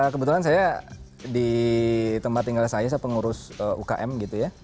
kebetulan saya di tempat tinggal saya saya pengurus ukm gitu ya